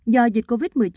do dịch covid một mươi chín